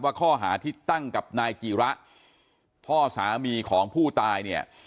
ข้อหาที่ตั้งกับนายกีระพ่อสามีของผู้ตายเนี่ย